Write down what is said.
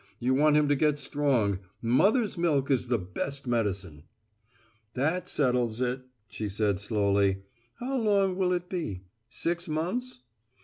You want him to get strong mother's milk is the best medicine." "That settles it," she said slowly. "How long will it be? Six months?"